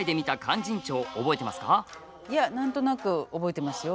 いや何となく覚えてますよ。